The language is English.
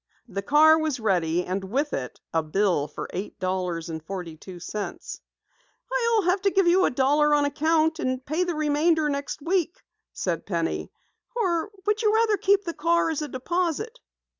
The car was ready, and with it a bill for eight dollars and forty two cents. "I'll have to give you a dollar on account and pay the remainder next week," said Penny. "Or would you rather keep the car as a deposit?"